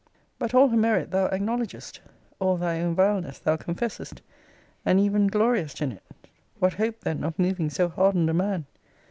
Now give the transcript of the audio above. But all her merit thou acknowledgest; all thy own vileness thou confessest, and even gloriest in it: What hope then of moving so hardened a man?